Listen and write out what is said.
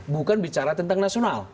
bukan bicara tentang nasional